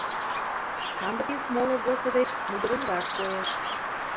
Канде тӱс моло годсо деч нугыдынрак коеш.